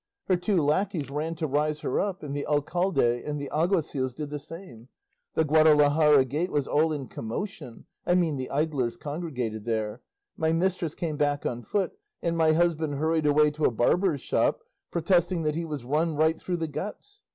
Her two lacqueys ran to rise her up, and the alcalde and the alguacils did the same; the Guadalajara gate was all in commotion I mean the idlers congregated there; my mistress came back on foot, and my husband hurried away to a barber's shop protesting that he was run right through the guts.